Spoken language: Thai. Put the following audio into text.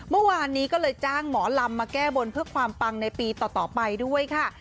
เมื่อวานนี้ก็เลยจ้างหมอลำมาแก้บนเพื่อความปังในปีต่อไปด้วยค่ะ